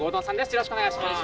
よろしくお願いします。